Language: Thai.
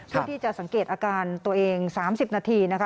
เพื่อที่จะสังเกตอาการตัวเอง๓๐นาทีนะคะ